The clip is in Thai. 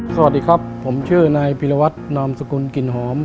สวัสดีครับผมชื่อนายพิรวัตนามสกุลกลิ่นหอม